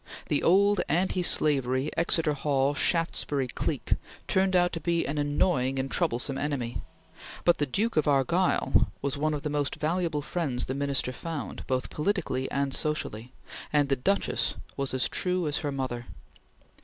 The old anti slavery, Exeter Hall, Shaftesbury clique turned out to be an annoying and troublesome enemy, but the Duke of Argyll was one of the most valuable friends the Minister found, both politically and socially, and the Duchess was as true as her mother.